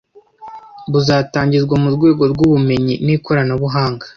buzatangizwa mu rwego ry'ubumenyi n'ikoranabuhanga.